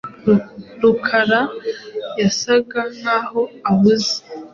Rukara yasaga nkaho ahuze?